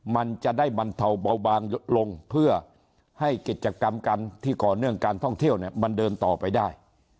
มันจะได้บรรเทาเบาบางลงเพื่อให้กิจกรรมกันที่ต่อเนื่องการท่องเที่ยวเนี่ยมันเดินต่อไปได้